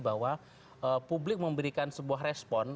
bahwa publik memberikan sebuah respon